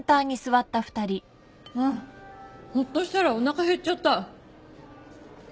ハァほっとしたらおなか減っちゃった。